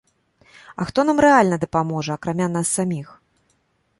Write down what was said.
А хто нам рэальна дапаможа, акрамя нас саміх?!